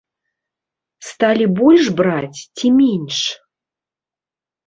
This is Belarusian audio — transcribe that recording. Сталі больш браць ці менш?